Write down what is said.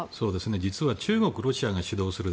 実は中国、ロシアが主導する